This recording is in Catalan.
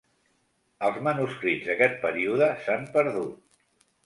Els manuscrits d'aquest període s'han perdut.